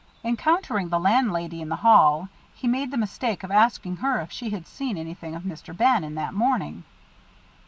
Encountering the landlady in the hall, he made the mistake of asking her if she had seen anything of Mr. Bannon that morning.